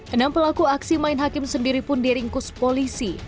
enam pelaku aksi main hakim sendiri pun diringkus polisi